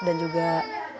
dan juga terdampak